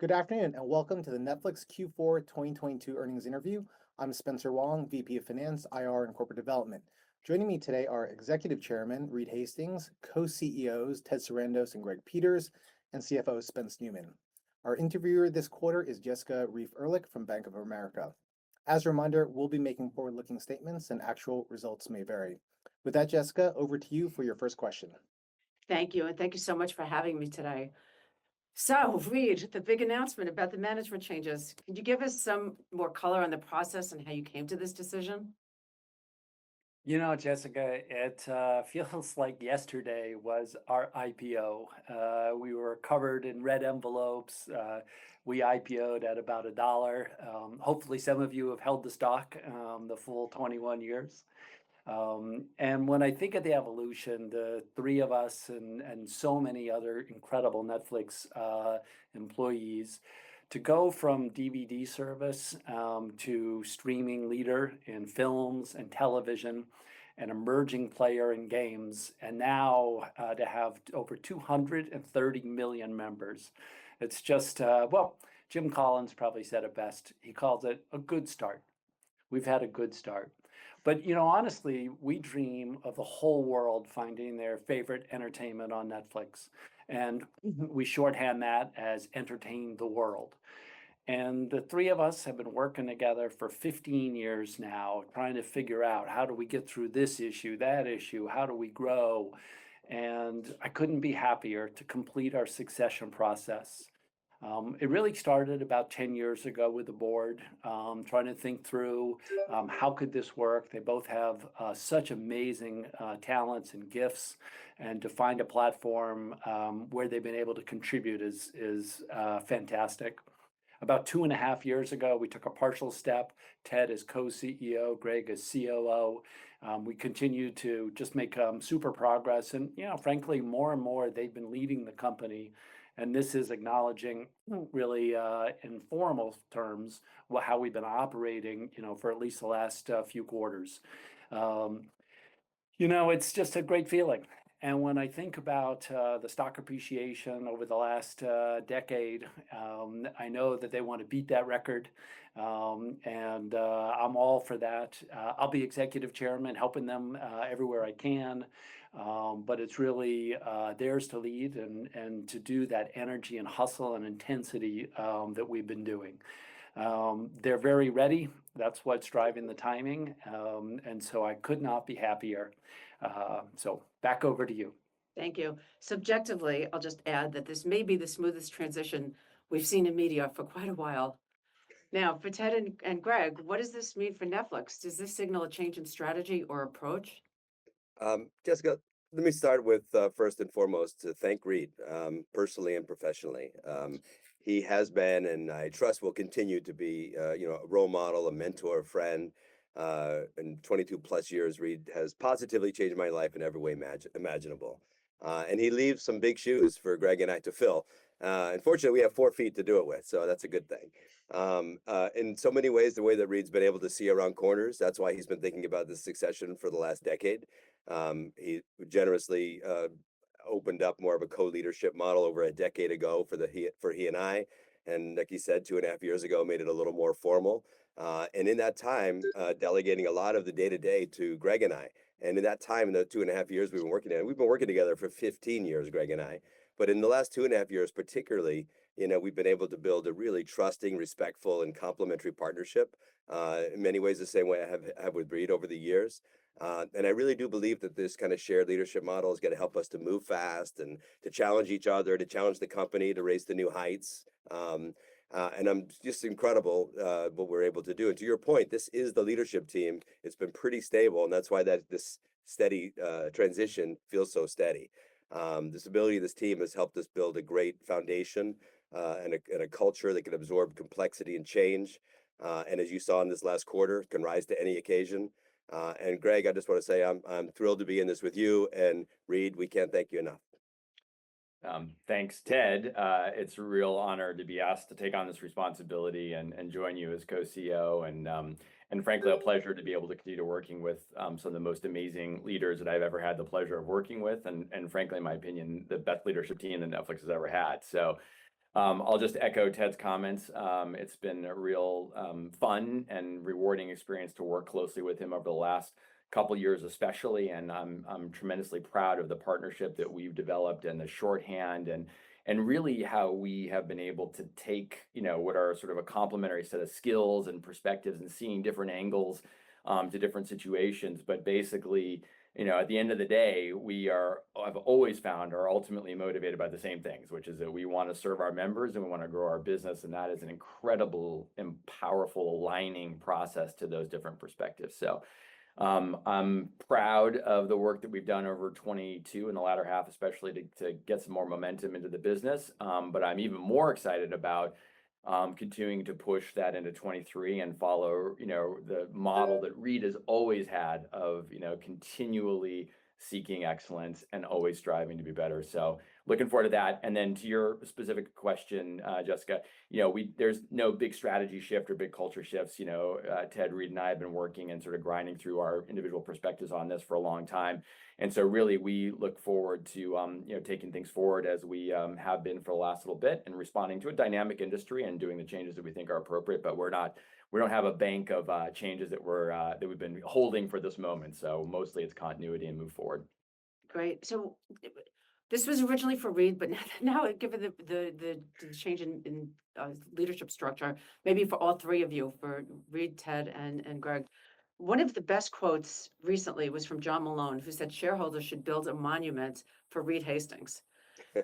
Good afternoon, and welcome to the Netflix Q4 2022 earnings interview. I'm Spencer Wang, VP of Finance, IR, and Corporate Development. Joining me today are Executive Chairman Reed Hastings, co-CEOs Ted Sarandos and Greg Peters, and CFO Spence Neumann. Our interviewer this quarter is Jessica Reif Ehrlich from Bank of America. As a reminder, we'll be making forward-looking statements, and actual results may vary. With that, Jessica, over to you for your first question. Thank you, and thank you so much for having me today. Reed, the big announcement about the management changes, could you give us some more color on the process and how you came to this decision? You know, Jessica, it feels like yesterday was our IPO. We were covered in red envelopes. We IPOd at about $1. Hopefully, some of you have held the stock, the full 21 years. When I think of the evolution, the three of us and so many other incredible Netflix employees to go from DVD service to streaming leader in films and television and emerging player in games and now to have over 230 million members, it's just. Well, Jim Collins probably said it best. He called it a good start. We've had a good start. You know, honestly, we dream of the whole world finding their favorite entertainment on Netflix, and we shorthand that as entertain the world. The three of us have been working together for 15 years now, trying to figure out how do we get through this issue, that issue, how do we grow, and I couldn't be happier to complete our succession process. It really started about 10 years ago with the board, trying to think through, how could this work. They both have such amazing talents and gifts, and to find a platform, where they've been able to contribute is fantastic. About two and a half years ago, we took a partial step. Ted is co-CEO. Greg is COO. We continue to just make super progress and, you know, frankly, more and more they've been leading the company, and this is acknowledging really, in formal terms how we've been operating, you know, for at least the last few quarters. You know, it's just a great feeling. When I think about the stock appreciation over the last decade, I know that they wanna beat that record. I'm all for that. I'll be Executive Chairman, helping them everywhere I can, but it's really theirs to lead and to do that energy and hustle and intensity that we've been doing. They're very ready. That's what's driving the timing. I could not be happier. Back over to you. Thank you. Subjectively, I'll just add that this may be the smoothest transition we've seen in media for quite a while. For Ted and Greg, what does this mean for Netflix? Does this signal a change in strategy or approach? Jessica, let me start with first and foremost to thank Reed personally and professionally. He has been, and I trust will continue to be, you know, a role model, a mentor, a friend. In 22+ years, Reed has positively changed my life in every way imaginable, he leaves some big shoes for Greg and I to fill. Fortunately, we have four feet to do it with, so that's a good thing. In so many ways, the way that Reed's been able to see around corners, that's why he's been thinking about the succession for the last decade. He generously opened up more of a co-leadership model over a decade ago for the for he and I, and like he said, two and a half years ago made it a little more formal. In that time, delegating a lot of the day-to-day to Greg and I. In that time, the two and a half years we've been working together, we've been working together for 15 years, Greg and I, but in the last two and a half years particularly, you know, we've been able to build a really trusting, respectful, and complementary partnership, in many ways the same way I have with Reed over the years. I really do believe that this kinda shared leadership model is gonna help us to move fast and to challenge each other, to challenge the company, to raise the new heights. I'm just incredible, what we're able to do. To your point, this is the leadership team. It's been pretty stable, and that's why that this steady transition feels so steady. The stability of this team has helped us build a great foundation, and a culture that can absorb complexity and change, and as you saw in this last quarter, can rise to any occasion. Greg, I just wanna say I'm thrilled to be in this with you, and Reed, we can't thank you enough. Thanks, Ted. It's a real honor to be asked to take on this responsibility and join you as co-CEO and frankly, a pleasure to be able to continue working with some of the most amazing leaders that I've ever had the pleasure of working with and frankly, in my opinion, the best leadership team that Netflix has ever had. I'll just echo Ted's comments. It's been a real fun and rewarding experience to work closely with him over the last couple years especially, and I'm tremendously proud of the partnership that we've developed and the shorthand and really how we have been able to take, you know, what are sort of a complementary set of skills and perspectives and seeing different angles to different situations. Basically, you know, at the end of the day, we are I've always found are ultimately motivated by the same things, which is that we wanna serve our members, and we wanna grow our business, and that is an incredible and powerful aligning process to those different perspectives. I'm proud of the work that we've done over 2022, in the latter half especially, to get some more momentum into the business. I'm even more excited about continuing to push that into 2023 and follow, you know, the model that Reed has always had of, you know, continually seeking excellence and always striving to be better. Looking forward to that. To your specific question, Jessica, you know, we there's no big strategy shift or big culture shifts. You know, Ted, Reed, and I have been working and sort of grinding through our individual perspectives on this for a long time. Really, we look forward to, you know, taking things forward as we have been for the last little bit and responding to a dynamic industry and doing the changes that we think are appropriate. We don't have a bank of changes that we're that we've been holding for this moment. Mostly it's continuity and move forward. Great. This was originally for Reed, but now given the change in leadership structure, maybe for all three of you, for Reed, Ted, and Greg. One of the best quotes recently was from John Malone, who said shareholders should build a monument for Reed Hastings.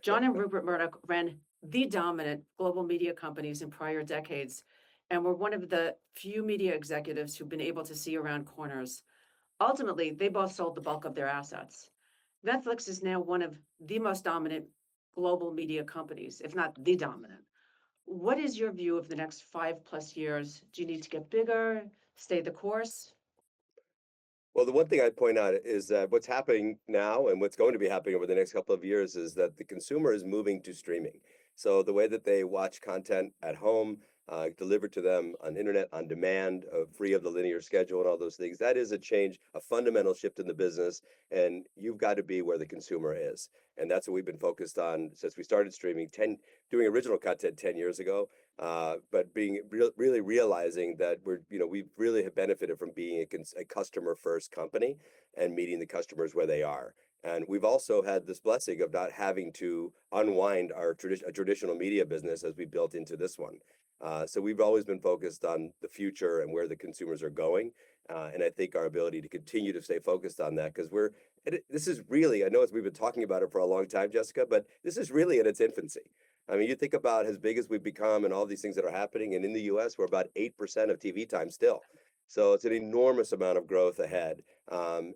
John and Rupert Murdoch ran the dominant global media companies in prior decades and were one of the few media executives who've been able to see around corners. Ultimately, they both sold the bulk of their assets. Netflix is now one of the most dominant global media companies, if not the dominant. What is your view of the next five-plus years? Do you need to get bigger? Stay the course? The one thing I'd point out is that what's happening now and what's going to be happening over the next couple of years is that the consumer is moving to streaming. The way that they watch content at home, delivered to them on internet, on demand, free of the linear schedule and all those things, that is a change, a fundamental shift in the business, and you've got to be where the consumer is. That's what we've been focused on since we started streaming doing original content 10 years ago. But really realizing that we're, you know, we really have benefited from being a customer-first company and meeting the customers where they are. We've also had this blessing of not having to unwind our traditional media business as we built into this one. We've always been focused on the future and where the consumers are going. I think our ability to continue to stay focused on that, 'cause this is really, I know as we've been talking about it for a long time, Jessica, but this is really in its infancy. I mean, you think about as big as we've become and all these things that are happening, and in the U.S., we're about 8% of TV time still. It's an enormous amount of growth ahead,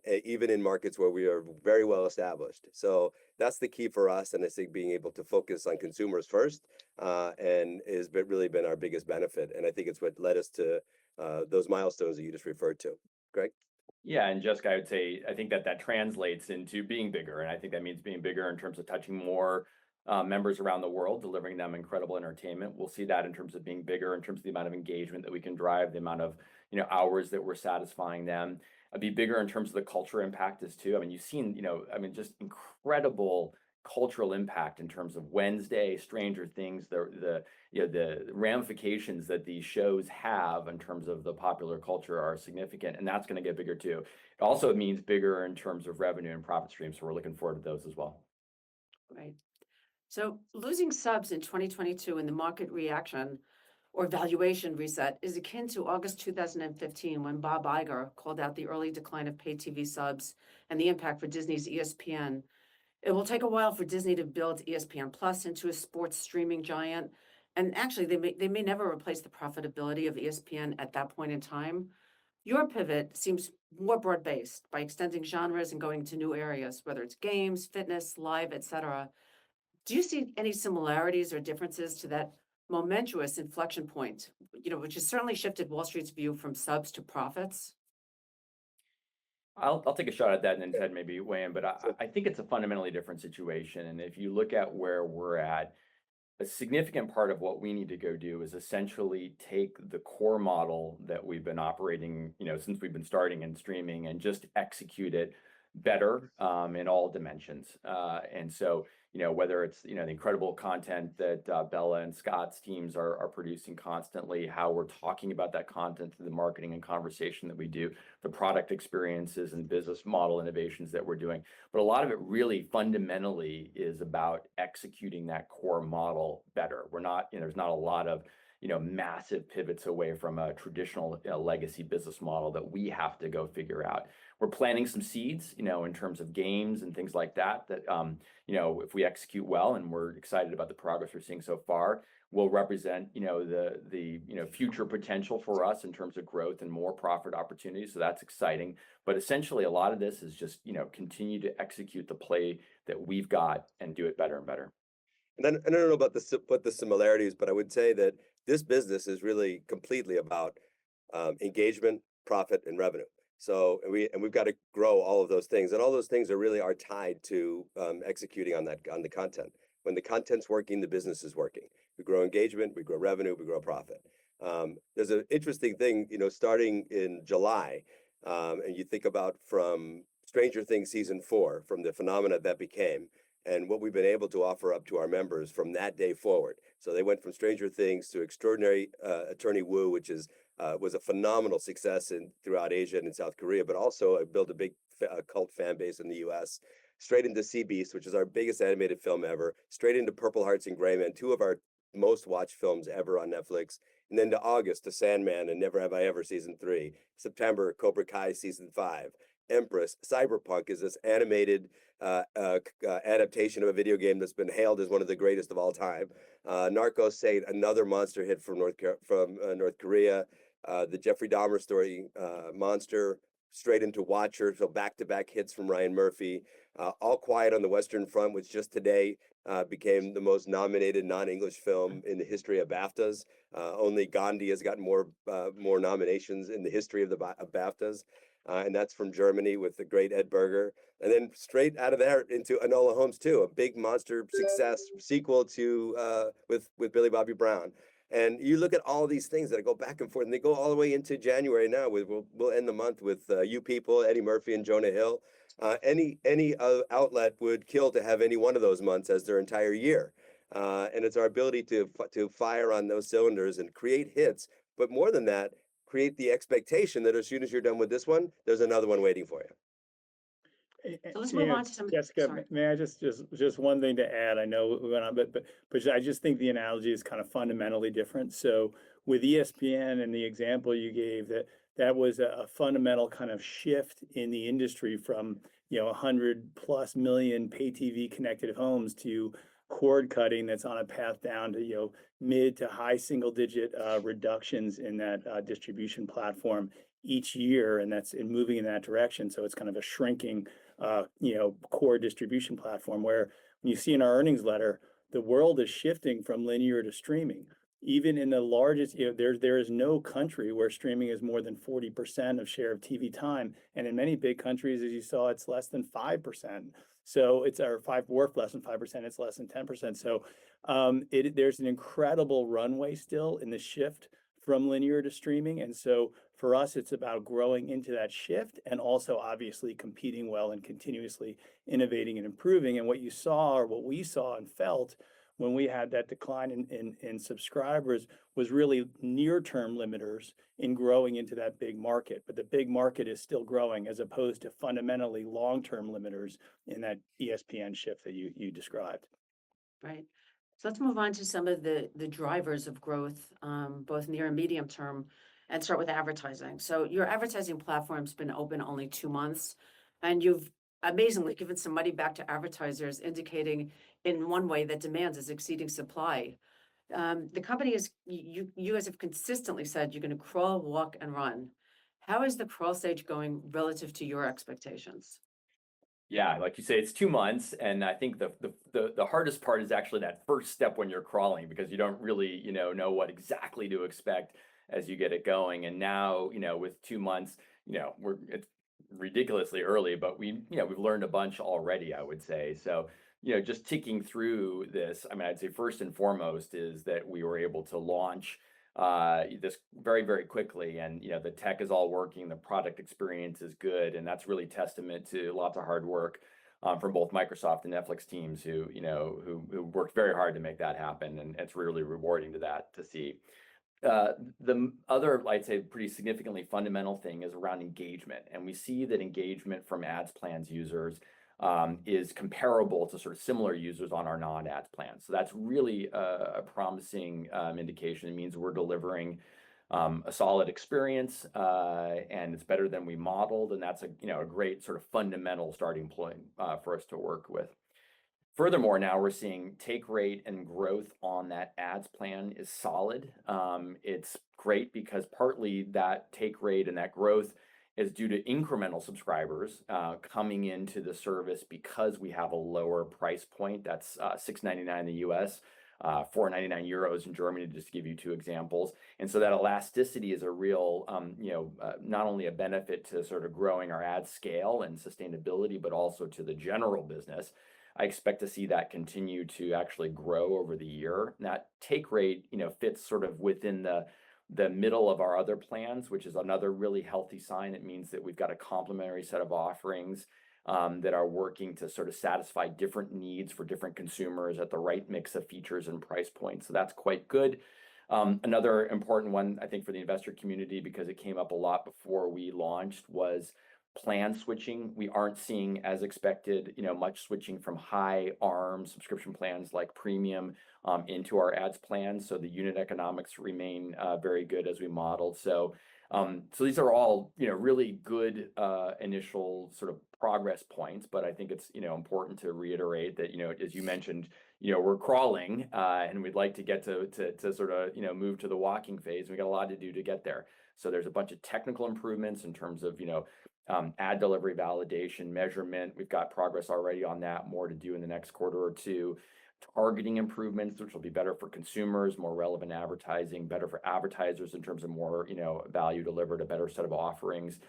even in markets where we are very well established. That's the key for us, and it's think being able to focus on consumers first, and it has been, really been our biggest benefit, and I think it's what led us to, those milestones that you just referred to. Greg? Jessica, I would say I think that that translates into being bigger. I think that means being bigger in terms of touching more members around the world, delivering them incredible entertainment. We'll see that in terms of being bigger, in terms of the amount of engagement that we can drive, the amount of, you know, hours that we're satisfying them. It'd be bigger in terms of the culture impact just too. I mean, you've seen, you know, I mean, just incredible cultural impact in terms of Wednesday, Stranger Things. The, you know, the ramifications that these shows have in terms of the popular culture are significant. That's gonna get bigger too. It also means bigger in terms of revenue and profit streams. We're looking forward to those as well. Right. Losing subs in 2022 and the market reaction or valuation reset is akin to August 2015 when Bob Iger called out the early decline of paid TV subs and the impact for Disney's ESPN. It will take a while for Disney to build ESPN+ into a sports streaming giant, and actually they may never replace the profitability of ESPN at that point in time. Your pivot seems more broad-based by extending genres and going to new areas, whether it's games, fitness, live, et cetera. Do you see any similarities or differences to that momentous inflection point? You know, which has certainly shifted Wall Street's view from subs to profits. I'll take a shot at that, and then Ted maybe weigh in. Sure. I think it's a fundamentally different situation. If you look at where we're at, a significant part of what we need to go do is essentially take the core model that we've been operating, you know, since we've been starting in streaming and just execute it better in all dimensions. So, you know, whether it's, you know, the incredible content that Bela and Scott's teams are producing constantly, how we're talking about that content through the marketing and conversation that we do, the product experiences and business model innovations that we're doing. A lot of it really fundamentally is about executing that core model better. We're not, you know, there's not a lot of, you know, massive pivots away from a traditional legacy business model that we have to go figure out. We're planting some seeds, you know, in terms of games and things like that, you know, if we execute well, and we're excited about the progress we're seeing so far, will represent, you know, the, you know, future potential for us in terms of growth and more profit opportunities. That's exciting. Essentially a lot of this is just, you know, continue to execute the play that we've got and do it better and better. I don't know about what the similarity is, but I would say that this business is really completely about engagement, profit, and revenue. We've got to grow all of those things, and all those things are really tied to executing on that, on the content. When the content's working, the business is working. We grow engagement, we grow revenue, we grow profit. There's an interesting thing, you know, starting in July, and you think about from Stranger Things season four, from the phenomena that became, and what we've been able to offer up to our members from that day forward. They went from Stranger Things to Extraordinary Attorney Woo, which is, was a phenomenal success in, throughout Asia and in South Korea, but also it built a big cult fan base in the U.S. Straight into Sea Beast, which is our biggest animated film ever. Straight into Purple Hearts and Gray Man, two of our most watched films ever on Netflix. Then to August, to Sandman and Never Have I Ever season three. September, Cobra Kai season five. Empress, Cyberpunk is this animated adaptation of a video game that's been hailed as one of the greatest of all time. Narco-Saints, another monster hit from North Korea. The Jeffrey Dahmer story, monster. Straight into Watcher, so back-to-back hits from Ryan Murphy. All Quiet on the Western Front, which just today became the most nominated non-English film in the history of BAFTAs. Only Gandhi has gotten more nominations in the history of BAFTAs. And that's from Germany with the great Ed Berger. Then straight out of there into Enola Holmes 2, a big monster success sequel to with Millie Bobby Brown. You look at all these things that go back and forth, and they go all the way into January now. We'll end the month with You People, Eddie Murphy and Jonah Hill. Any outlet would kill to have any one of those months as their entire year. It's our ability to fire on those cylinders and create hits, but more than that, create the expectation that as soon as you're done with this one, there's another one waiting for you. Let's move on to some, sorry. Jessica, may I just one thing to add. I know we're going on, but I just think the analogy is kind of fundamentally different. With ESPN and the example you gave, that was a fundamental kind of shift in the industry from, you know, 100+ million pay TV connected homes to cord-cutting that's on a path down to, you know, mid to high single-digit reductions in that distribution platform each year, moving in that direction. It's kind of a shrinking, you know, core distribution platform, where you see in our earnings letter, the world is shifting from linear to streaming. You know, there is no country where streaming is more than 40% of share of TV time, and in many big countries, as you saw, it's less than 5%. Less than 5%, it's less than 10%. There's an incredible runway still in the shift from linear to streaming. For us, it's about growing into that shift and also obviously competing well and continuously innovating and improving. What you saw, or what we saw and felt when we had that decline in subscribers was really near term limiters in growing into that big market. The big market is still growing as opposed to fundamentally long-term limiters in that ESPN shift that you described. Right. Let's move on to some of the drivers of growth, both near and medium term, and start with advertising. Your advertising platform's been open only two months, and you've amazingly given some money back to advertisers, indicating in one way that demand is exceeding supply. You guys have consistently said you're gonna crawl, walk, and run. How is the crawl stage going relative to your expectations? Yeah, like you say, it's two months, and I think the hardest part is actually that first step when you're crawling because you don't really, you know what exactly to expect as you get it going. Now, you know, with two months, you know. It's ridiculously early, but we, you know, we've learned a bunch already, I would say. You know, just ticking through this, I mean, I'd say first and foremost is that we were able to launch this very, very quickly and, you know, the tech is all working, the product experience is good, and that's really testament to lots of hard work from both Microsoft and Netflix teams who, you know, worked very hard to make that happen and it's really rewarding to that, to see. The other, I'd say pretty significantly fundamental thing is around engagement, and we see that engagement from ads plans users, is comparable to sort of similar users on our non-ads plan. That's really a promising indication. It means we're delivering a solid experience, and it's better than we modeled, and that's a, you know, a great sort of fundamental starting point for us to work with. Furthermore, now we're seeing take rate and growth on that ads plan is solid. It's great because partly that take rate and that growth is due to incremental subscribers, coming into the service because we have a lower price point that's $6.99 in the U.S., €4.99 in Germany, just to give you two examples. That elasticity is a real, you know, not only a benefit to sort of growing our ad scale and sustainability, but also to the general business. I expect to see that continue to actually grow over the year. That take rate, you know, fits sort of within the middle of our other plans, which is another really healthy sign. It means that we've got a complementary set of offerings that are working to sort of satisfy different needs for different consumers at the right mix of features and price points. That's quite good. Another important one I think for the investor community, because it came up a lot before we launched, was plan switching. We aren't seeing as expected, you know, much switching from high arm subscription plans like Premium, into our ads plan, so the unit economics remain very good as we modeled. These are all, you know, really good initial sort of progress points, but I think it's, you know, important to reiterate that, you know, as you mentioned, you know, we're crawling, and we'd like to get to sort of, you know, move to the walking phase. We got a lot to do to get there. There's a bunch of technical improvements in terms of, you know, ad delivery, validation, measurement. We've got progress already on that. More to do in the next quarter or two. Targeting improvements, which will be better for consumers, more relevant advertising, better for advertisers in terms of more, you know, value delivered, a better set of offerings,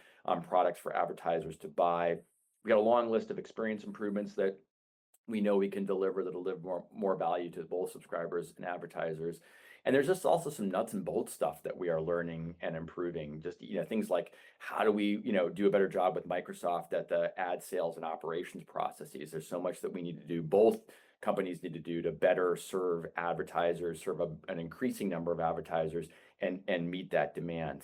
products for advertisers to buy. We got a long list of experience improvements that we know we can deliver that'll deliver more value to both subscribers and advertisers. There's just also some nuts and bolts stuff that we are learning and improving. Just, you know, things like how do we, you know, do a better job with Microsoft at the ad sales and operations processes? There's so much that we need to do, both companies need to do to better serve advertisers, serve an increasing number of advertisers and meet that demand.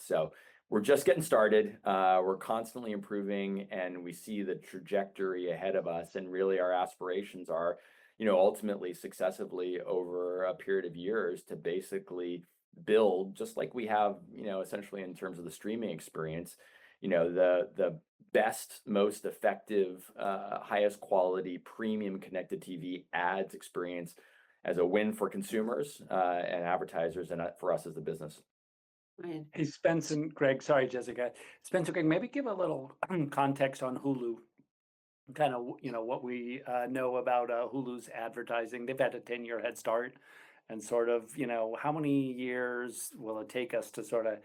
We're just getting started. We're constantly improving. We see the trajectory ahead of us. Really our aspirations are, you know, ultimately, successively over a period of years to basically build, just like we have, you know, essentially in terms of the streaming experience, you know, the best, most effective, highest quality premium connected TV ads experience as a win for consumers, and advertisers and, for us as a business. Right. Hey, Spence and Greg. Sorry, Jessica. Spence and Greg, maybe give a little context on Hulu, you know, what we know about Hulu's advertising. They've had a 10-year head start, and sort of, you know, how many years will it take us to sorta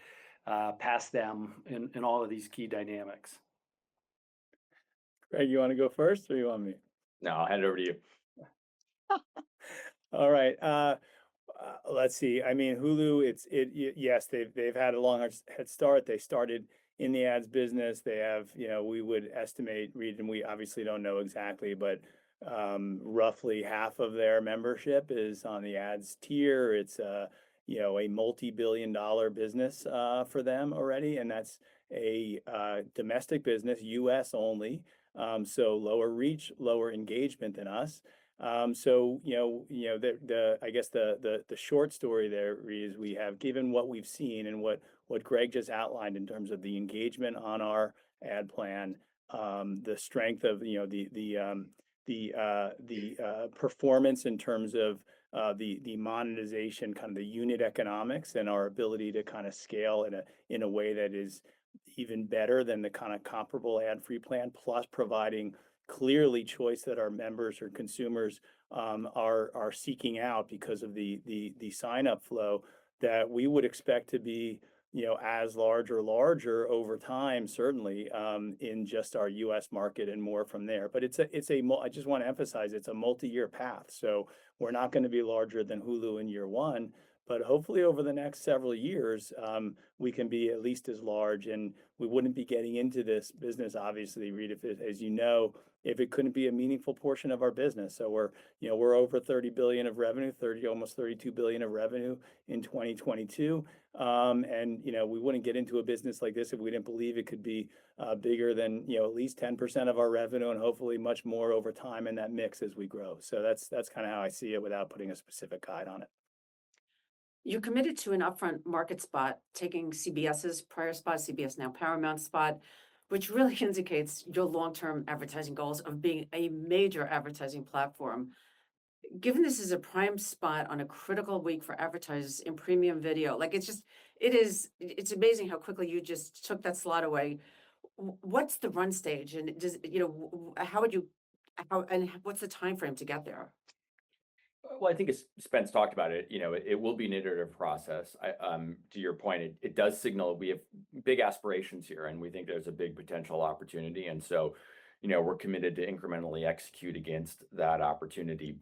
pass them in all of these key dynamics? Greg, you wanna go first or you want me? No, I'll hand it over to you. All right. Let's see. I mean, Hulu, it's yes, they've had a longer head start. They started in the ads business. They have, you know, we would estimate, Reed, and we obviously don't know exactly, but roughly half of their membership is on the ads tier. It's, you know, a multi-billion-dollar business for them already, and that's a domestic business, U.S. only. Lower reach, lower engagement than us. You know, the, I guess the short story there, Reed, is we have...given what we've seen and what Greg just outlined in terms of the engagement on our ad plan, the strength of, you know, the performance in terms of the monetization, kind of the unit economics and our ability to kind of scale in a way that is even better than the kind of comparable ad-free plan, plus providing clearly choice that our members or consumers are seeking out because of the sign-up flow that we would expect to be, you know, as large or larger over time certainly, in just our U.S. market and more from there. I just wanna emphasize, it's a multi-year path, so we're not gonna be larger than Hulu in year one, but hopefully over the next several years, we can be at least as large. We wouldn't be getting into this business, obviously, Reed, if it, as you know, if it couldn't be a meaningful portion of our business. We're, you know, we're over $30 billion of revenue, almost $32 billion of revenue in 2022. You know, we wouldn't get into a business like this if we didn't believe it could be bigger than, you know, at least 10% of our revenue, and hopefully much more over time in that mix as we grow. That's, that's kinda how I see it without putting a specific guide on it. You're committed to an upfront market spot, taking CBS's prior spot, CBS now Paramount's spot, which really indicates your long-term advertising goals of being a major advertising platform. Given this is a prime spot on a critical week for advertisers in premium video, like, it's just, it is, it's amazing how quickly you just took that slot away. What's the run stage, and does, you know, how would you, how and what's the timeframe to get there? Well, I think as Spence talked about it, you know, it will be an iterative process. To your point, it does signal we have big aspirations here and we think there's a big potential opportunity. You know, we're committed to incrementally execute against that opportunity.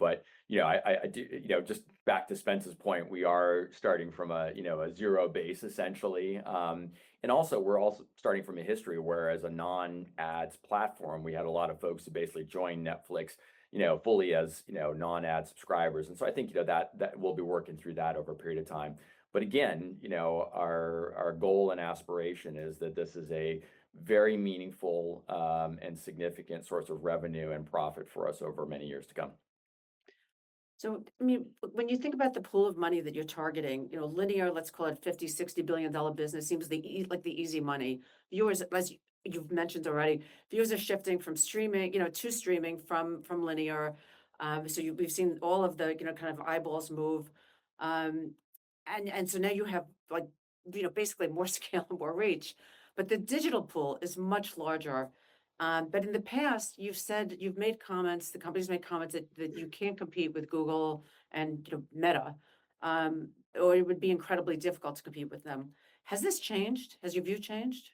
You know, just back to Spence's point, we are starting from a, you know, a zero base essentially. We're also starting from a history where as a non-ads platform, we had a lot of folks who basically join Netflix, you know, fully as, you know, non-ad subscribers. I think, you know, that we'll be working through that over a period of time. Again, you know, our goal and aspiration is that this is a very meaningful, and significant source of revenue and profit for us over many years to come. I mean, when you think about the pool of money that you're targeting, you know, linear, let's call it $50 billion-$60 billion business seems the easy money. Viewers, as you've mentioned already, viewers are shifting from streaming, you know, to streaming from linear. We've seen all of the, you know, kind of eyeballs move. Now you have like, you know, basically more scale and more reach, the digital pool is much larger. In the past you've made comments, the company's made comments that you can't compete with Google and, you know, Meta, or it would be incredibly difficult to compete with them. Has this changed? Has your view changed?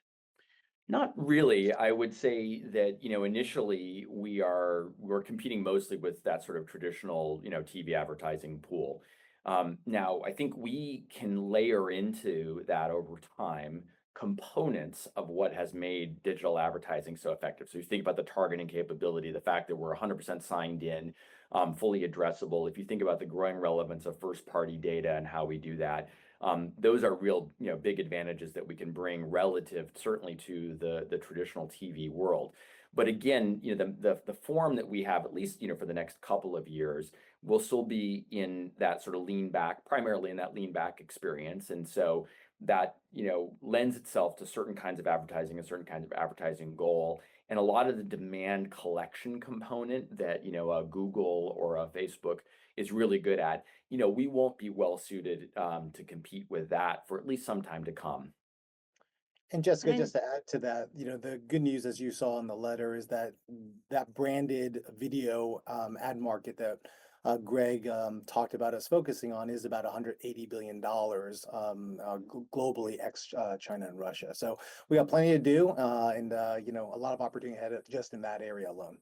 Not really. I would say that, you know, initially we're competing mostly with that sort of traditional, you know, TV advertising pool. Now I think we can layer into that over time components of what has made digital advertising so effective. So you think about the targeting capability, the fact that we're 100% signed in, fully addressable. If you think about the growing relevance of first-party data and how we do that, those are real, you know, big advantages that we can bring relative certainly to the traditional TV world. Again, you know, the form that we have at least, you know, for the next couple of years, will still be in that sort of lean back, primarily in that lean back experience. That, you know, lends itself to certain kinds of advertising and certain kinds of advertising goal. A lot of the demand collection component that, you know, a Google or a Facebook is really good at, you know, we won't be well-suited to compete with that for at least some time to come. Jessica- And- Just to add to that, you know, the good news, as you saw in the letter, is that that branded video, ad market that, Greg, talked about us focusing on is about $180 billion globally, ex China and Russia. We have plenty to do, and, you know, a lot of opportunity ahead of just in that area alone.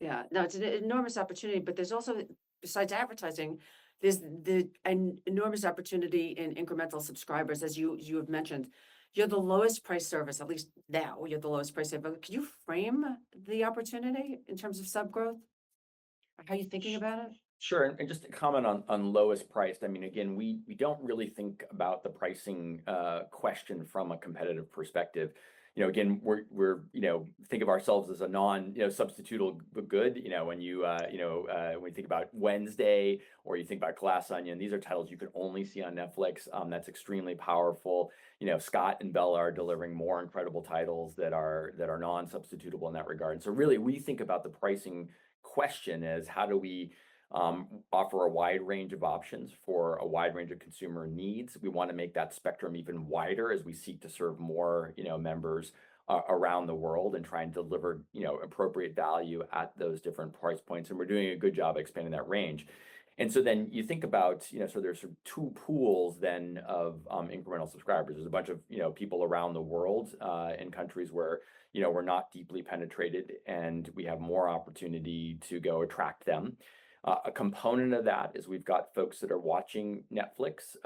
Yeah. No, it's an enormous opportunity, but there's also, besides advertising, there's the an enormous opportunity in incremental subscribers, as you have mentioned. You're the lowest priced service, at least now you're the lowest priced service. Can you frame the opportunity in terms of sub growth or how you're thinking about it? Sure. Just to comment on lowest priced, I mean, again, we don't really think about the pricing question from a competitive perspective. You know, again, we're, you know, think of ourselves as a non, you know, substitutable good. You know, when you know, when you think about "Wednesday" or you think about "Glass Onion," these are titles you can only see on Netflix. That's extremely powerful. You know, Scott and Bela are delivering more incredible titles that are non-substitutable in that regard. So really we think about the pricing question as how do we offer a wide range of options for a wide range of consumer needs. We wanna make that spectrum even wider as we seek to serve more, you know, members around the world and trying to deliver, you know, appropriate value at those different price points, we're doing a good job expanding that range. You think about, you know, there's sort of two pools then of incremental subscribers. There's a bunch of, you know, people around the world in countries where, you know, we're not deeply penetrated, we have more opportunity to go attract them. A component of that is we've got folks that are watching Netflix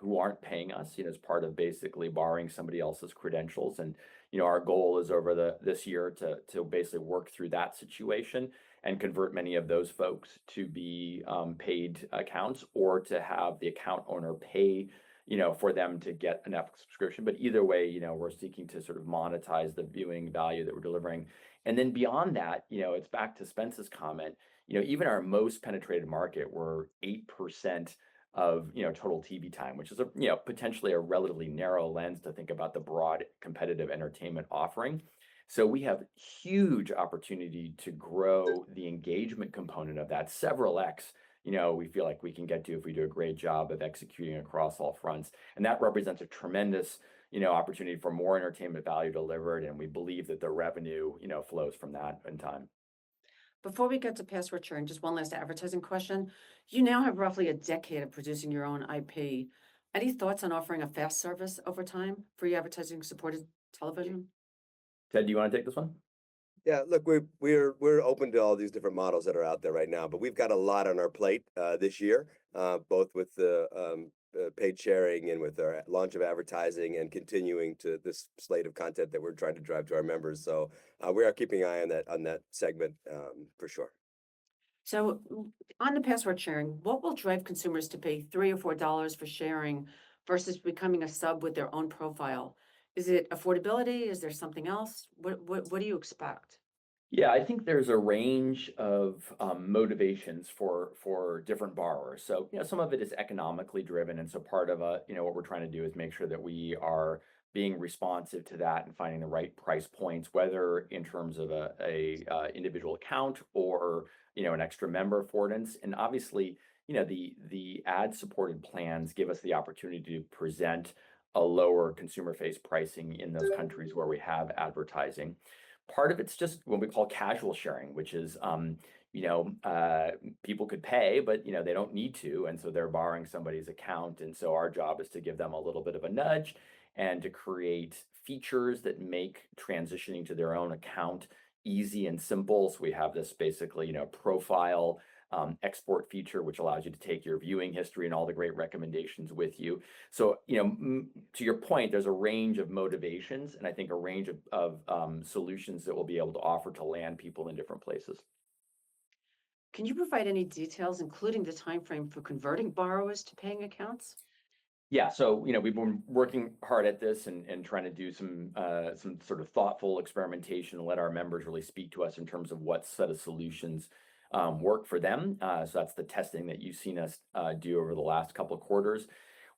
who aren't paying us, you know, as part of basically borrowing somebody else's credentials. You know, our goal is over this year to basically work through that situation and convert many of those folks to be paid accounts or to have the account owner pay, you know, for them to get a Netflix subscription. Either way, you know, we're seeking to sort of monetize the viewing value that we're delivering. Beyond that, you know, it's back to Spence's comment. You know, even our most penetrated market, we're 8% of, you know, total TV time, which is a, you know, potentially a relatively narrow lens to think about the broad competitive entertainment offering. We have huge opportunity to grow the engagement component of that, several x, you know, we feel like we can get to if we do a great job of executing across all fronts. That represents a tremendous, you know, opportunity for more entertainment value delivered, and we believe that the revenue, you know, flows from that in time. Before we get to password sharing, just one last advertising question. You now have roughly a decade of producing your own IP. Any thoughts on offering a FAST service over time, free advertising-supported television? Ted, do you wanna take this one? Look, we're open to all these different models that are out there right now. We've got a lot on our plate this year, both with the paid sharing and with our launch of advertising and continuing to... this slate of content that we're trying to drive to our members. We are keeping an eye on that segment for sure. On the password sharing, what will drive consumers to pay $3 or $4 for sharing versus becoming a sub with their own profile? Is it affordability? Is there something else? What do you expect? Yeah. I think there's a range of motivations for different borrowers. You know, some of it is economically driven, and so part of, you know, what we're trying to do is make sure that we are being responsive to that and finding the right price points, whether in terms of an individual account or, you know, an extra member affordance. Obviously, you know, the ad-supported plans give us the opportunity to present a lower consumer-faced pricing in those countries where we have advertising. Part of it's just what we call casual sharing, which is, you know, people could pay, but, you know, they don't need to, and so they're borrowing somebody's account. Our job is to give them a little bit of a nudge and to create features that make transitioning to their own account easy and simple. We have this basically, you know, profile export feature, which allows you to take your viewing history and all the great recommendations with you. You know, to your point, there's a range of motivations and I think a range of solutions that we'll be able to offer to land people in different places. Can you provide any details, including the timeframe for converting borrowers to paying accounts? Yeah. You know, we've been working hard at this and trying to do some sort of thoughtful experimentation to let our members really speak to us in terms of what set of solutions work for them. That's the testing that you've seen us do over the last couple of quarters.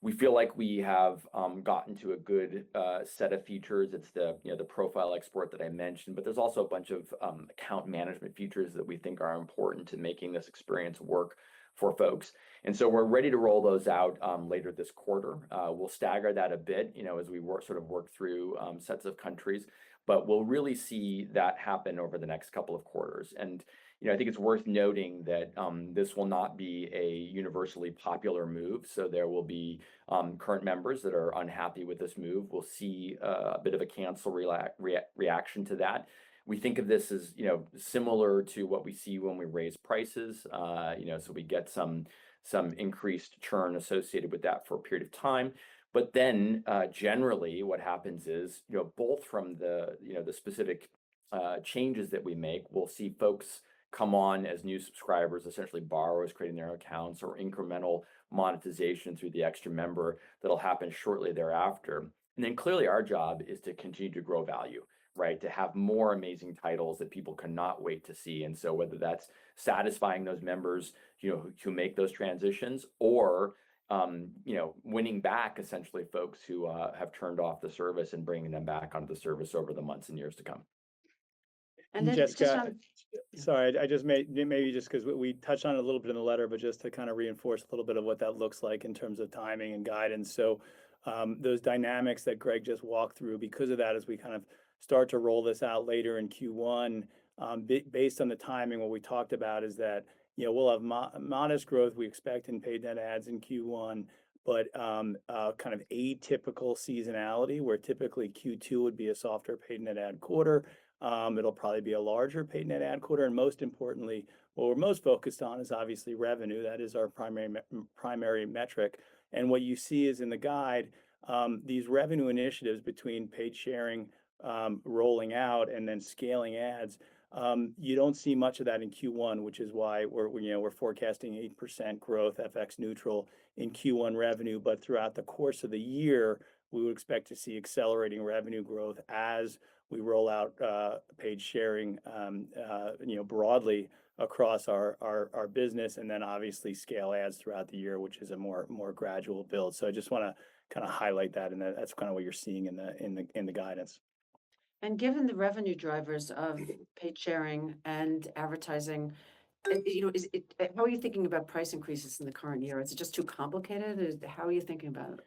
We feel like we have gotten to a good set of features. It's the, you know, the profile export that I mentioned, but there's also a bunch of account management features that we think are important to making this experience work for folks. We're ready to roll those out later this quarter. We'll stagger that a bit, you know, as we sort of work through sets of countries, but we'll really see that happen over the next couple of quarters. You know, I think it's worth noting that this will not be a universally popular move. There will be current members that are unhappy with this move. We'll see a bit of a cancel reaction to that. We think of this as, you know, similar to what we see when we raise prices. You know, we get some increased churn associated with that for a period of time. Generally what happens is, you know, both from the, you know, the specific changes that we make, we'll see folks come on as new subscribers, essentially borrowers creating their own accounts or incremental monetization through the extra member that'll happen shortly thereafter. Clearly our job is to continue to grow value, right? To have more amazing titles that people cannot wait to see. Whether that's satisfying those members, you know, who, to make those transitions or, you know, winning back essentially folks who have turned off the service and bringing them back onto the service over the months and years to come. And then just on- Jessica. Sorry, I just maybe just 'cause we touched on it a little bit in the letter, but just to kinda reinforce a little bit of what that looks like in terms of timing and guidance. Those dynamics that Greg just walked through, because of that, as we kind of start to roll this out later in Q1, based on the timing, what we talked about is that, you know, we'll have modest growth we expect in paid net adds in Q1, kind of atypical seasonality, where typically Q2 would be a softer paid net add quarter. It'll probably be a larger paid net add quarter. Most importantly, what we're most focused on is obviously revenue. That is our primary metric. What you see is in the guide, these revenue initiatives between paid sharing, rolling out and then scaling ads, you don't see much of that in Q1, which is why we're, you know, we're forecasting 8% growth, FX-neutral in Q1 revenue, but throughout the course of the year, we would expect to see accelerating revenue growth as we roll out paid sharing, you know, broadly across our business and then obviously scale ads throughout the year, which is a more gradual build. I just wanna kinda highlight that and that that's kinda what you're seeing in the guidance. Given the revenue drivers of paid sharing and advertising, you know, how are you thinking about price increases in the current year? Is it just too complicated? How are you thinking about it?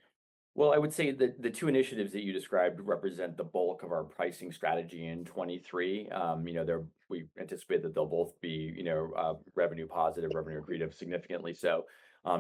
Well, I would say that the two initiatives that you described represent the bulk of our pricing strategy in 2023. you know, we anticipate that they'll both be, you know, revenue positive, revenue accretive, significantly so,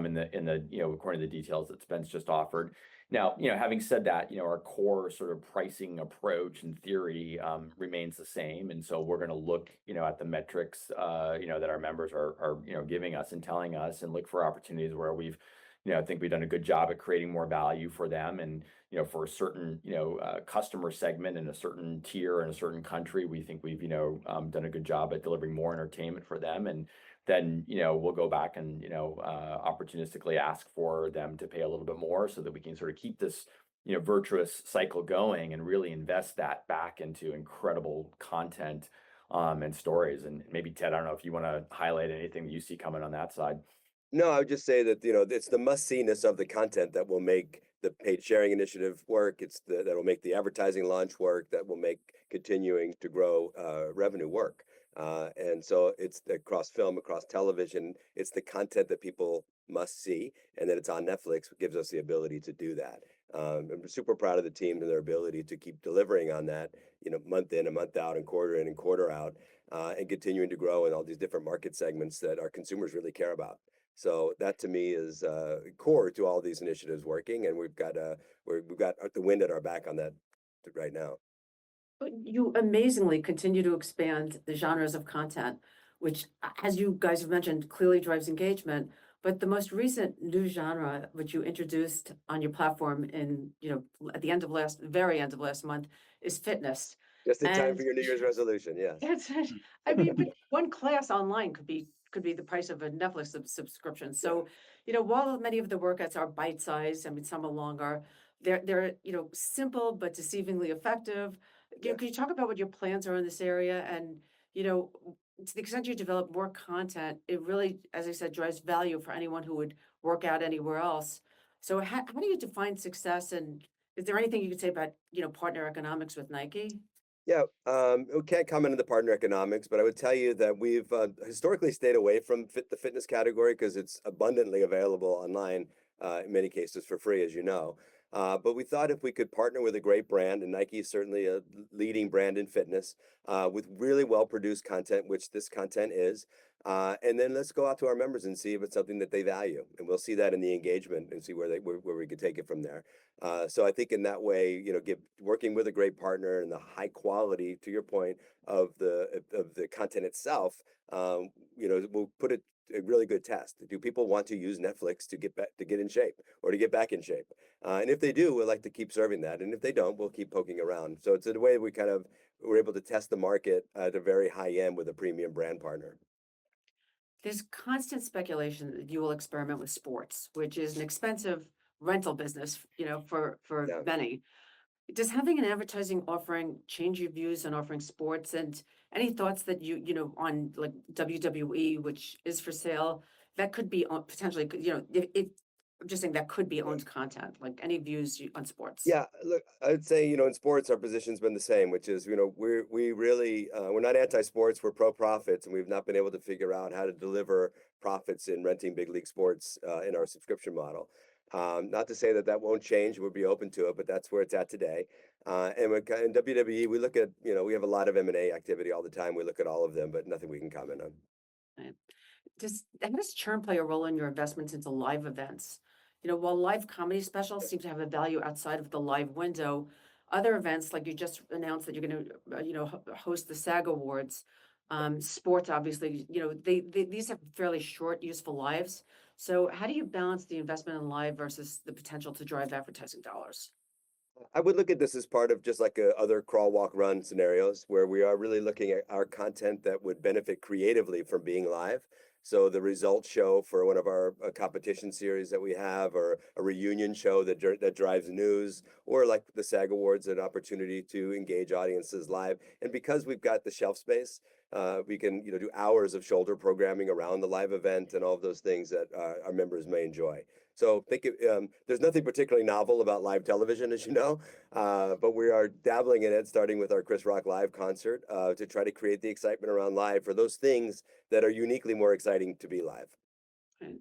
in the, you know, according to the details that Spence just offered. you know, having said that, you know, our core sort of pricing approach and theory remains the same. We're gonna look, you know, at the metrics, you know, that our members are, you know, giving us and telling us, and look for opportunities where we've, you know, think we've done a good job at creating more value for them and, you know, for a certain, you know, customer segment in a certain tier in a certain country, we think we've, you know, done a good job at delivering more entertainment for them. Then, you know, we'll go back and, you know, opportunistically ask for them to pay a little bit more so that we can sort of keep this, you know, virtuous cycle going and really invest that back into incredible content and stories. Maybe, Ted, I don't know if you wanna highlight anything that you see coming on that side? No, I would just say that, you know, it's the must-see-ness of the content that will make the paid sharing initiative work. That'll make the advertising launch work, that will make continuing to grow revenue work. It's across film, across television. It's the content that people must see, and that it's on Netflix gives us the ability to do that. We're super proud of the team and their ability to keep delivering on that, you know, month in and month out and quarter in and quarter out, and continuing to grow in all these different market segments that our consumers really care about. That to me is core to all these initiatives working, and we've got the wind at our back on that right now. You amazingly continue to expand the genres of content, which as you guys have mentioned, clearly drives engagement. The most recent new genre, which you introduced on your platform in, you know, at the very end of last month, is fitness. Just in time for your New Year's resolution, yes. That's it. I mean, one class online could be the price of a Netflix subscription. You know, while many of the workouts are bite-sized, I mean, some are longer, they're, you know, simple but deceivingly effective. Yeah. Can you talk about what your plans are in this area? You know, to the extent you develop more content, it really, as I said, drives value for anyone who would work out anywhere else. How do you define success, and is there anything you can say about, you know, partner economics with Nike? Yeah. We can't comment on the partner economics, but I would tell you that we've historically stayed away from the fitness category 'cause it's abundantly available online, in many cases for free, as you know. We thought if we could partner with a great brand, and Nike is certainly a leading brand in fitness, with really well-produced content, which this content is, let's go out to our members and see if it's something that they value. We'll see that in the engagement and see where we could take it from there. I think in that way, you know, working with a great partner and the high quality, to your point, of the content itself, you know, will put it a really good test. Do people want to use Netflix to get in shape or to get back in shape? If they do, we'd like to keep serving that. If they don't, we'll keep poking around. It's a way we're able to test the market at a very high end with a premium brand partner. There's constant speculation that you will experiment with sports, which is an expensive rental business, you know, for many. Yeah. Does having an advertising offering change your views on offering sports? Any thoughts that you know, on like WWE, which is for sale, that could be potentially, you know, I'm just saying that could be owned content. Like, any views on sports? Yeah. Look, I would say, you know, in sports, our position's been the same, which is, you know, we really, we're not anti-sports, we're pro profits, and we've not been able to figure out how to deliver profits in renting big league sports, in our subscription model. Not to say that that won't change, we'll be open to it, but that's where it's at today. In WWE, we look at, you know, we have a lot of M&A activity all the time. We look at all of them, but nothing we can comment on. Right. Does Agnes Chu play a role in your investments into live events? You know, while live comedy specials seem to have a value outside of the live window, other events, like you just announced that you're gonna, you know, host the SAG Awards, sports obviously, you know, they these have fairly short useful lives. How do you balance the investment in live versus the potential to drive advertising dollars? I would look at this as part of just like a other crawl, walk, run scenarios, where we are really looking at our content that would benefit creatively from being live. The results show for one of our competition series that we have, or a reunion show that drives news, or like the SAG Awards, an opportunity to engage audiences live. Because we've got the shelf space, we can, you know, do hours of shoulder programming around the live event and all of those things that our members may enjoy. Think of, There's nothing particularly novel about live television, as you know. We are dabbling in it, starting with our Chris Rock live concert, to try to create the excitement around live for those things that are uniquely more exciting to be live. Right.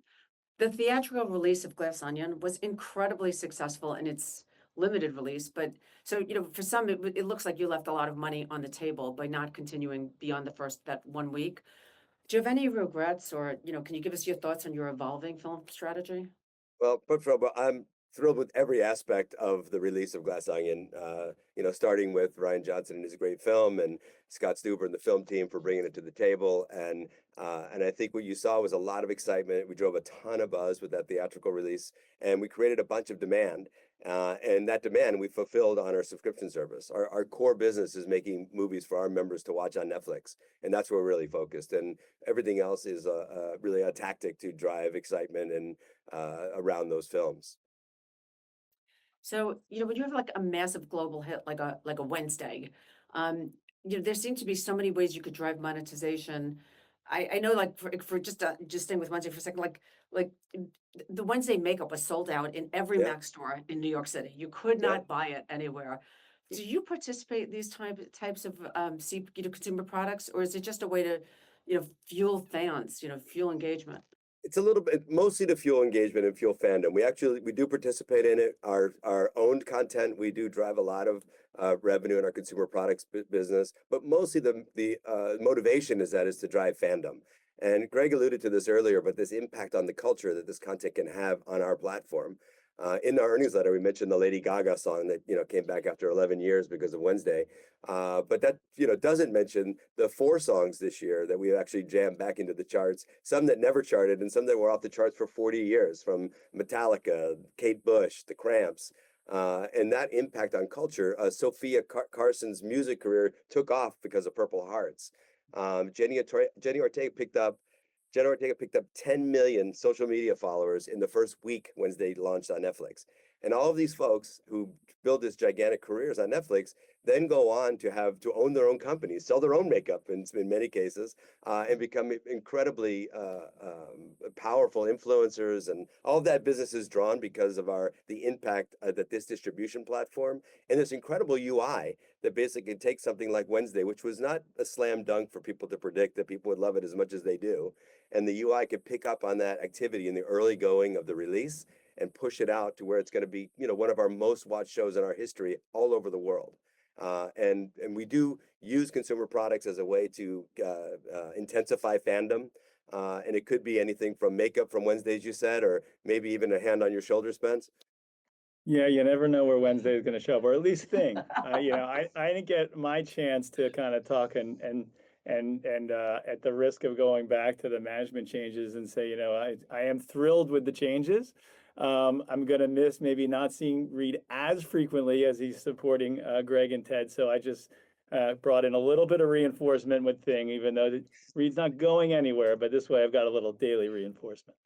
The theatrical release of Glass Onion was incredibly successful in its limited release. You know, for some it looks like you left a lot of money on the table by not continuing beyond the first, that one week. Do you have any regrets or, you know, can you give us your thoughts on your evolving film strategy? Well, I'm thrilled with every aspect of the release of Glass Onion, you know, starting with Rian Johnson and his great film and Scott Stuber and the film team for bringing it to the table. I think what you saw was a lot of excitement. We drove a ton of buzz with that theatrical release, and we created a bunch of demand. That demand we fulfilled on our subscription service. Our core business is making movies for our members to watch on Netflix, and that's where we're really focused, and everything else is really a tactic to drive excitement and around those films. You know, when you have a massive global hit like a Wednesday, you know, there seem to be so many ways you could drive monetization. I know like for just staying with Wednesday for a second, like the Wednesday makeup was sold out in every MAC store in New York City. You could not buy it anywhere. Do you participate in these types of, you know, consumer products, or is it just a way to, you know, fuel fans, you know, fuel engagement? It's a little bit mostly to fuel engagement and fuel fandom. We actually do participate in it. Our own content, we do drive a lot of revenue in our consumer products business, but mostly the motivation is that is to drive fandom. Greg alluded to this earlier about this impact on the culture that this content can have on our platform. In our newsletter, we mentioned the Lady Gaga song that, you know, came back after 11 years because of Wednesday. That, you know, doesn't mention the four songs this year that we actually jammed back into the charts, some that never charted and some that were off the charts for 40 years, from Metallica, Kate Bush, The Cramps. That impact on culture, Sofia Carson's music career took off because of Purple Hearts. Jenna Ortega picked up 10 million social media followers in the first week Wednesday launched on Netflix. All of these folks who build these gigantic careers on Netflix then go on to own their own companies, sell their own makeup in many cases, and become incredibly powerful influencers. All that business is drawn because of the impact that this distribution platform and this incredible UI that basically takes something like Wednesday, which was not a slam dunk for people to predict that people would love it as much as they do, and the UI could pick up on that activity in the early going of the release and push it out to where it's gonna be, you know, one of our most watched shows in our history all over the world. We do use consumer products as a way to intensify fandom, and it could be anything from makeup from Wednesday, you said, or maybe even a hand on your shoulder, Spence. You never know where Wednesday is gonna show up, or at least Thing. You know, I didn't get my chance to kinda talk at the risk of going back to the management changes and say, you know, I am thrilled with the changes. I'm gonna miss maybe not seeing Reed as frequently as he's supporting Greg and Ted. I just brought in a little bit of reinforcement with Thing, even though Reed's not going anywhere. This way I've got a little daily reinforcement.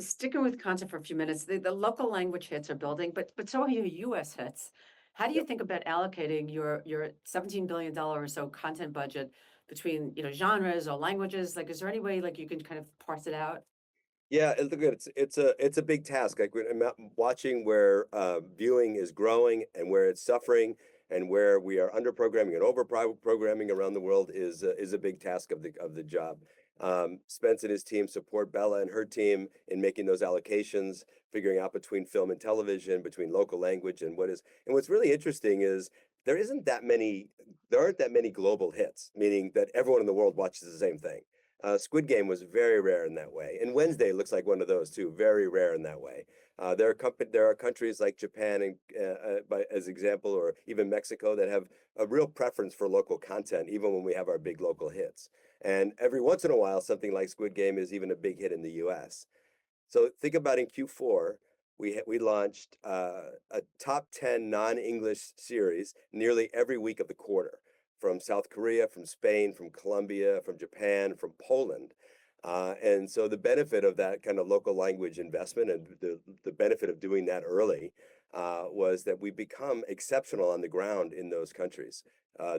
Sticking with content for a few minutes, the local language hits are building, but so are your U.S. hits. How do you think about allocating your $17 billion or so content budget between, you know, genres or languages? Is there any way, like, you can kind of parse it out? Yeah, look, it's a, it's a big task. Like, watching where viewing is growing and where it's suffering and where we are under-programming and over-programming around the world is a big task of the job. Spence and his team support Bela and her team in making those allocations, figuring out between film and television, between local language and what's really interesting is there aren't that many global hits, meaning that everyone in the world watches the same thing. Squid Game was very rare in that way, and Wednesday looks like one of those too, very rare in that way. There are countries like Japan and by as example, or even Mexico, that have a real preference for local content, even when we have our big local hits. Every once in a while, something like Squid Game is even a big hit in the U.S. Think about in Q4, we launched a top 10 non-English series nearly every week of the quarter from South Korea, from Spain, from Colombia, from Japan, from Poland. The benefit of that kind of local language investment and the benefit of doing that early was that we become exceptional on the ground in those countries.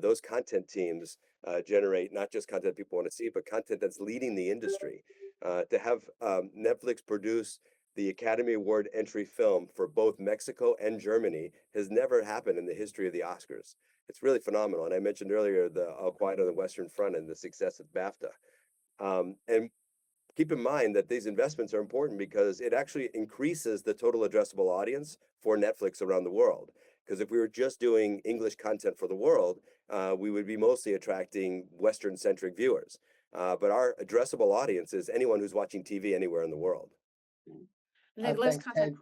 Those content teams generate not just content people wanna see, but content that's leading the industry. To have Netflix produce the Academy Award entry film for both Mexico and Germany has never happened in the history of the Oscars. It's really phenomenal. I mentioned earlier the All Quiet on the Western Front and the success at BAFTA. Keep in mind that these investments are important because it actually increases the total addressable audience for Netflix around the world, because if we were just doing English content for the world, we would be mostly attracting Western-centric viewers. Our addressable audience is anyone who's watching TV anywhere in the world. And then last- Thanks, Ted.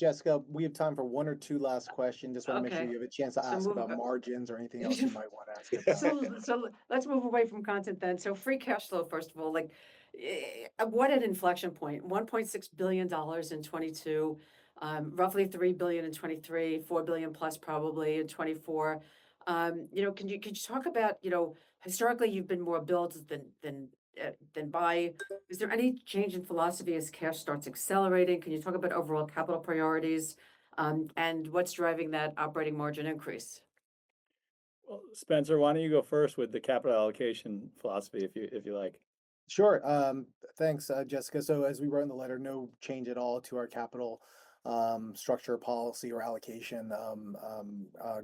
Jessica, we have time for one or two last questions. Okay. Just wanna make sure you have a chance to ask about margins or anything else you might wanna ask. Let's move away from content. Free cash flow, first of all. What an inflection point, $1.6 billion in 2022, roughly $3 billion in 2023, $4 billion+ probably in 2024. You know, can you talk about, you know, historically you've been more builds than buy. Is there any change in philosophy as cash starts accelerating? Can you talk about overall capital priorities, and what's driving that operating margin increase? Well, Spencer, why don't you go first with the capital allocation philosophy if you like. Sure. Thanks, Jessica. As we wrote in the letter, no change at all to our capital structure policy or allocation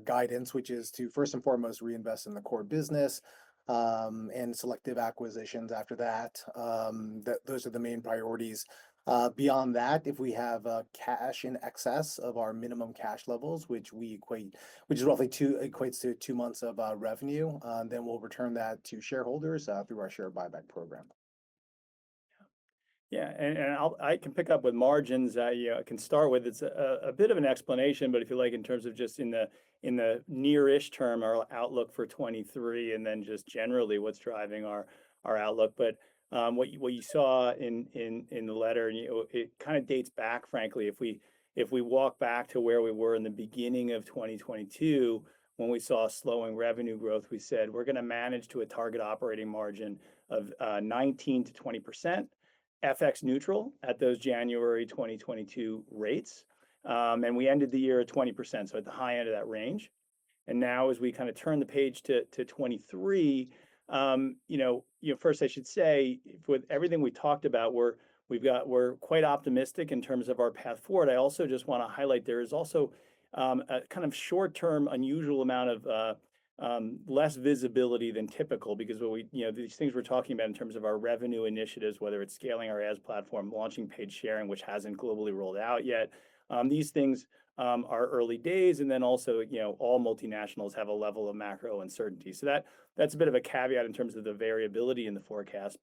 guidance, which is to first and foremost reinvest in the core business and selective acquisitions after that. Those are the main priorities. Beyond that, if we have cash in excess of our minimum cash levels, which is roughly two, equates to two months of revenue, then we'll return that to shareholders through our share buyback program. Yeah. Yeah. I can pick up with margins. Yeah, I can start with it's a bit of an explanation, but if you like, in terms of just in the near-ish term, our outlook for 2023, then just generally what's driving our outlook. What you, what you saw in the letter, it kinda dates back, frankly, if we, if we walk back to where we were in the beginning of 2022 when we saw a slowing revenue growth, we said we're gonna manage to a target operating margin of 19%-20%, FX-neutral at those January 2022 rates. We ended the year at 20%, so at the high end of that range. Now as we kind of turn the page to 2023, you know, first I should say with everything we talked about, we're quite optimistic in terms of our path forward. I also just want to highlight there is also a kind of short-term, unusual amount of less visibility than typical because. You know, these things we're talking about in terms of our revenue initiatives, whether it's scaling our ads platform, launching paid sharing, which hasn't globally rolled out yet, these things are early days. Also, you know, all multinationals have a level of macro uncertainty. That's a bit of a caveat in terms of the variability in the forecast.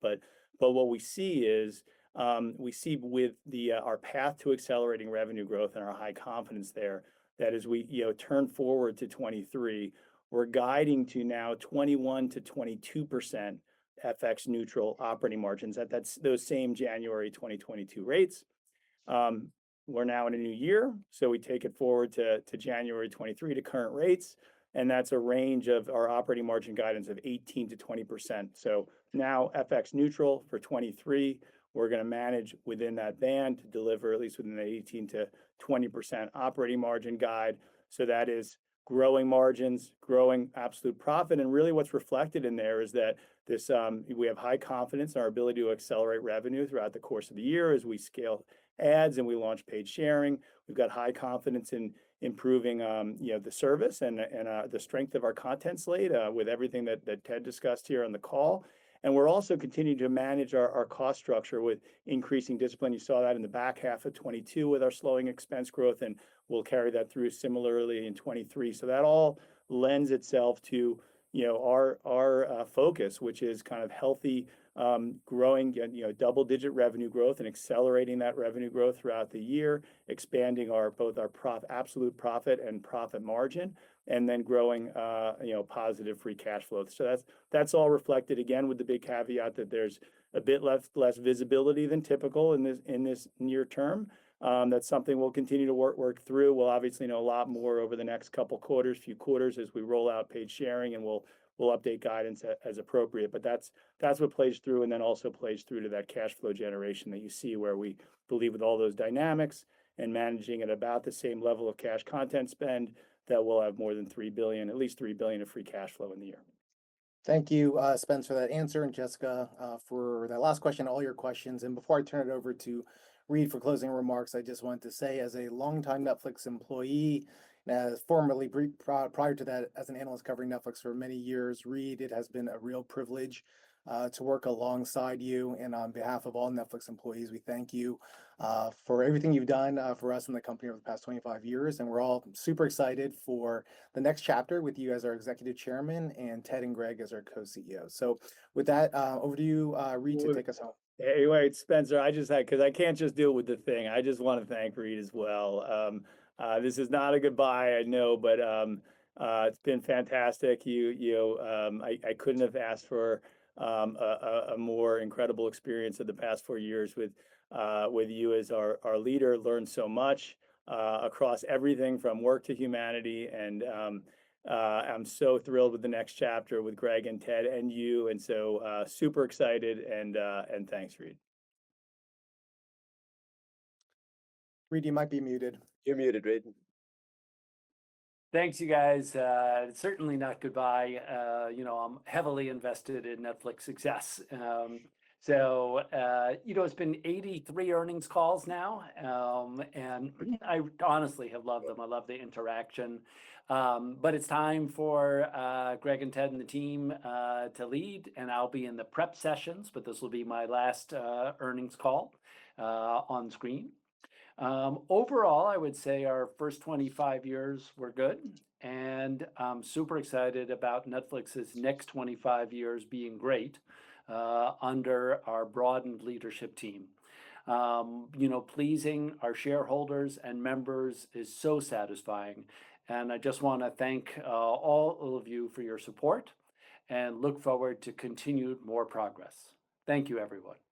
What we see is, we see with the our path to accelerating revenue growth and our high confidence there, that as we, you know, turn forward to 2023, we're guiding to now 21%-22% FX-neutral operating margins at those same January 2022 rates. We're now in a new year, so we take it forward to January 2023 to current rates, and that's a range of our operating margin guidance of 18%-20%. Now FX-neutral for 2023. We're gonna manage within that band to deliver at least within the 18%-20% operating margin guide. That is growing margins, growing absolute profit. Really what's reflected in there is that this. We have high confidence in our ability to accelerate revenue throughout the course of the year as we scale ads and we launch paid sharing. We've got high confidence in improving, you know, the service and the strength of our content slate with everything that Ted discussed here on the call. We're also continuing to manage our cost structure with increasing discipline. You saw that in the back half of 2022 with our slowing expense growth, and we'll carry that through similarly in 2023. That all lends itself to, you know, our focus, which is kind of healthy, growing and, you know, double-digit revenue growth and accelerating that revenue growth throughout the year, expanding our both our pro-absolute profit and profit margin and then growing, you know, positive free cash flow. That's all reflected again with the big caveat that there's a bit less visibility than typical in this, in this near term. That's something we'll continue to work through. We'll obviously know a lot more over the next couple quarters, few quarters as we roll out paid sharing, and we'll update guidance as appropriate. That's what plays through and then also plays through to that cash flow generation that you see where we believe with all those dynamics and managing at about the same level of cash content spend, that we'll have more than $3 billion, at least $3 billion of free cash flow in the year. Thank you, Spence, for that answer and Jessica, for that last question, all your questions. Before I turn it over to Reed for closing remarks, I just wanted to say as a longtime Netflix employee, formerly prior to that as an analyst covering Netflix for many years, Reed, it has been a real privilege to work alongside you. On behalf of all Netflix employees, we thank you for everything you've done for us and the company over the past 25 years, and we're all super excited for the next chapter with you as our Executive Chairman and Ted and Greg as our co-CEOs. With that, over to you, Reed, to take us home. Hey, wait, Spencer, 'Cause I can't just deal with the thing. I just wanna thank Reed as well. This is not a goodbye, I know, but it's been fantastic. You, you know, I couldn't have asked for, a more incredible experience of the past four years with you as our leader. Learned so much across everything from work to humanity and I'm so thrilled with the next chapter with Greg and Ted and you and so super excited and thanks, Reed. Reed, you might be muted. You're muted, Reed. Thanks, you guys. Certainly not goodbye. You know, I'm heavily invested in Netflix success. You know, it's been 83 earnings calls now, I honestly have loved them. I love the interaction. It's time for Greg and Ted and the team to lead, I'll be in the prep sessions, but this will be my last earnings call on screen. Overall, I would say our first 25 years were good, and I'm super excited about Netflix's next 25 years being great under our broadened leadership team. You know, pleasing our shareholders and members is so satisfying, I just wanna thank all of you for your support and look forward to continued more progress. Thank you, everyone.